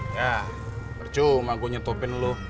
yah percuma gue nyetupin lo